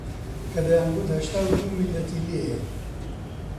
کە دەیانگوت هەشتا و دوو میللەتی لێیە